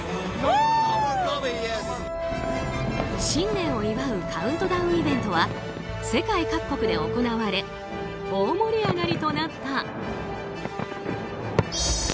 新年を祝うカウントダウンイベントは世界各国で行われ大盛り上がりとなった。